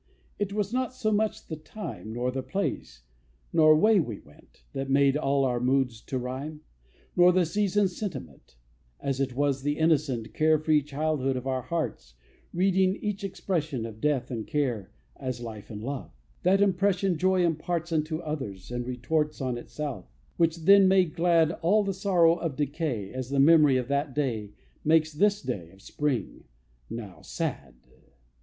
It was not so much the time, Nor the place, nor way we went, That made all our moods to rhyme, Nor the season's sentiment, As it was the innocent Carefree childhood of our hearts, Reading each expression of Death and care as life and love: That impression joy imparts Unto others and retorts On itself, which then made glad All the sorrow of decay, As the memory of that day Makes this day of spring, now, sad.